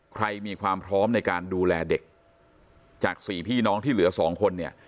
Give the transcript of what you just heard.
มีความพร้อมในการดูแลเด็กจากสี่พี่น้องที่เหลือสองคนเนี่ย